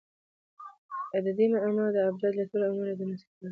عددي معما د ابجد له تورو او نورو عددونو سره تړلي دي.